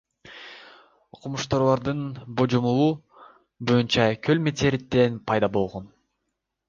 Окумуштуулардын божомолу боюнча көл метеориттен пайда болгон.